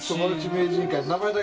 名人会だ。